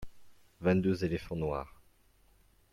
vingt deux éléphants noirs.